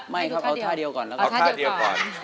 ไม่ครับไอท่าเดียวก่อนแล้วก็